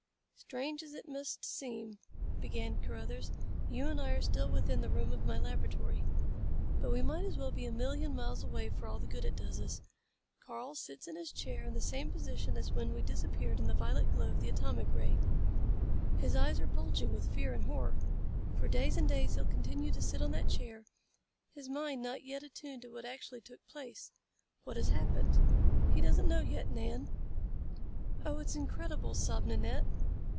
"Strange as it must seem," began Carruthers, "you and I are still within the room of my laboratory. But we might as well be a million miles away for all the good it does us. Karl sits in his chair in the same position as when we disappeared in the violet glow of the atomic ray. His eyes are bulging with fear and horror. For days and days he'll continue to sit on that chair, his mind not yet attuned to what actually took place. What has happened? He doesn't know yet, Nan." "Oh, it's incredible," sobbed Nanette.